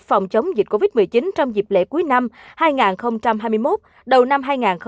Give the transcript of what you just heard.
phòng chống dịch covid một mươi chín trong dịp lễ cuối năm hai nghìn hai mươi một đầu năm hai nghìn hai mươi bốn